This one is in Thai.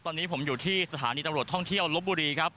ตอนนี้ผมอยู่ที่สถานีตำรวจท่องเที่ยวลบบุรีครับ